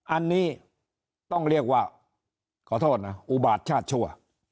อันนี้ต้องเรียกว่าขอโทษนะอุบาทชาติชั่ว